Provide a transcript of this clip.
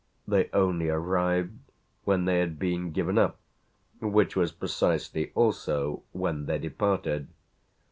They only arrived when they had been given up, which was precisely also when they departed.